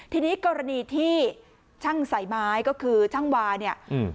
ทีนี้กรณีที่ช่างใส่ไม้ก็คือช่างวาเนี่ยอืม